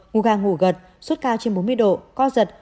ngủ gàng ngủ gật suốt cao trên bốn mươi độ co giật